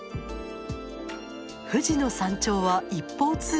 富士の山頂は一方通行。